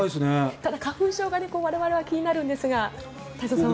ただ、花粉症が我々は気になるんですが太蔵さんは。